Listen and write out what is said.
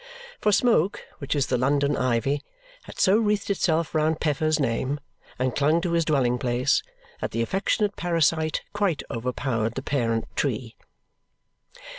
For smoke, which is the London ivy, had so wreathed itself round Peffer's name and clung to his dwelling place that the affectionate parasite quite overpowered the parent tree.